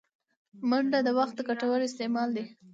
منډه د وخت ګټور استعمال دی